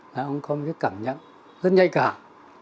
là ông có một cái cảm nhận rất nhạy cảm